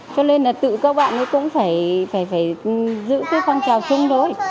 cho nên là tự các bạn ấy cũng phải giữ cái phong trào chung thôi